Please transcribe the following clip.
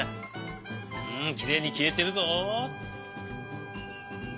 うんきれいにきえてるぞ。